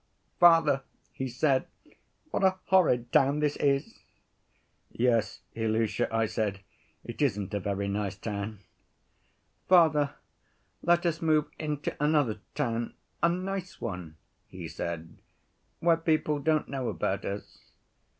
'Father,' he said, 'what a horrid town this is.' 'Yes, Ilusha,' I said, 'it isn't a very nice town.' 'Father, let us move into another town, a nice one,' he said, 'where people don't know about us.